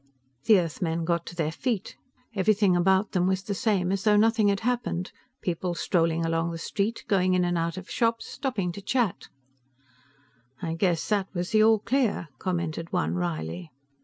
The Earthmen got to their feet. Everything about them was the same as though nothing had happened, people strolling along the street, going in and out of shops, stopping to chat. "I guess that was the all clear," commented one wryly.